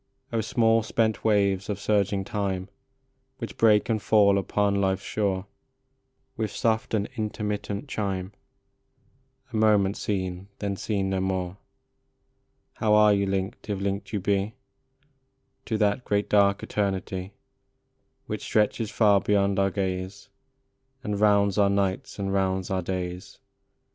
8o ETERNITY. O small, spent waves of surging time, Which break and fall upon life s shore With soft and intermittent chime, A moment seen, then seen no more, How are you linked, if linked you be, To that great dark eternity Which stretches far beyond our gaze, And rounds our nights and rounds our days